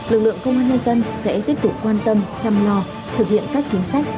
lực lượng công an nhân dân sẽ tiếp tục quan tâm chăm lo thực hiện các chính sách